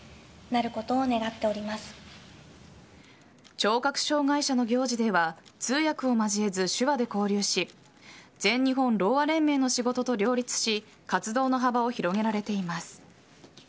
聴覚障害者の行事では通訳を交えず手話で交流し全日本ろうあ連盟の仕事と両立し活動の幅を広げられています。